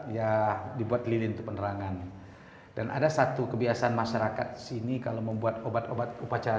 ya dibuat lilin untuk penerangan dan ada satu kebiasaan masyarakat sini kalau membuat obat obat upacara